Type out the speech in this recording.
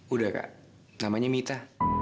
udah kak namanya mita